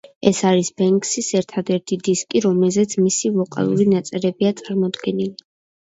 ეს არის ბენქსის ერთადერთი დისკი, რომელზეც მისი ვოკალური ჩანაწერებია წარმოდგენილი.